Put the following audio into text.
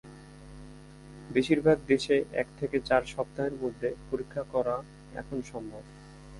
বেশিরভাগ দেশে এক থেকে চার সপ্তাহের মধ্যে পরীক্ষা করা এখন সম্ভব।